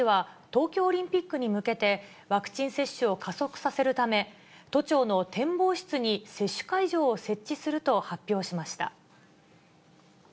ワクチン接種を加速させるため、都庁の展望室に接種会場を設置すると発表しました。